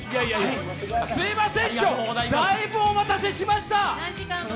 すみません、師匠、だいぶお待たせいたしました。